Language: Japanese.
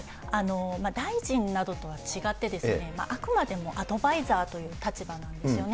大臣などとは違って、あくまでもアドバイザーという立場なんですよね。